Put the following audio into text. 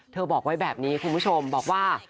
บอกไว้แบบนี้คุณผู้ชมบอกว่า